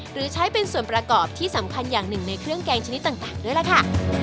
หรือใช้เป็นส่วนประกอบที่สำคัญอย่างหนึ่งในเครื่องแกงชนิดต่างด้วยล่ะค่ะ